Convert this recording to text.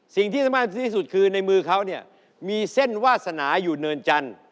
สิ่งที่สำคัญที่สุดคือในมือเขาเนี่ยมีเส้นวาสนาอยู่เนินจันทร์